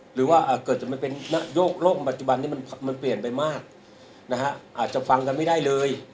หรือว่าเกิดจะมาเป็นโรคปัจจุบันนี้มันเปลี่ยนไปมากนะฮะอาจจะฟังกันไม่ได้เลย